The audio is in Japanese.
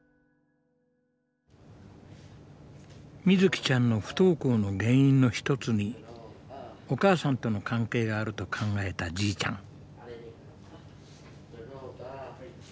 みずきちゃんの不登校の原因の一つにお母さんとの関係があると考えたじいちゃん。